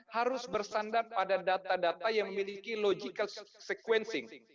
harus bersandar pada data data yang memiliki logical sequencing